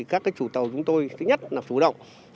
các chủ tàu chúng tôi thích nhất là phủ động